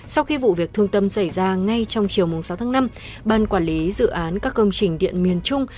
sau khi vụ việc thương tâm xảy ra ngay trong chiều sáu tháng năm ban quản lý dự án các công trình điện miền trung